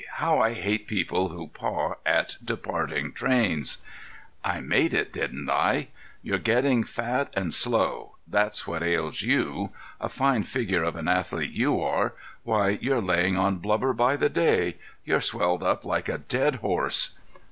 How I hate people who paw at departing trains." "I made it, didn't I? You're getting fat and slow—that's what ails you. A fine figure of an athlete you are! Why, you're laying on blubber by the day! You're swelled up like a dead horse."